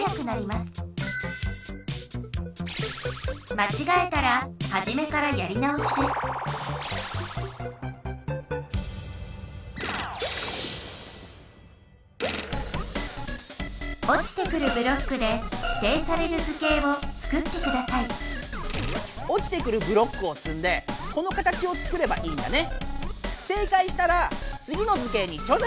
まちがえたらはじめからやり直しですおちてくるブロックでしていされる図形をつくってくださいおちてくるブロックをつんでこの形をつくればいいんだね。